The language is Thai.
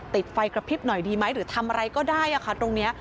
ติดไฟกระพริบหน่อยดีไหมหรือทำอะไรก็ได้ค่ะตรงนี้